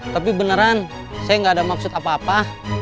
tapi beneran saya nggak ada maksud apa apa